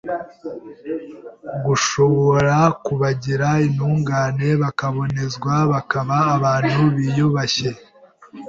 gushobora kubagira intungane, bakabonezwa, bakaba abantu biyubashye